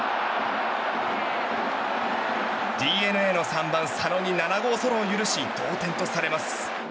ＤｅＮＡの３番、佐野に７号ソロを許し同点とされます。